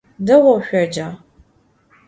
Değou şsuêca?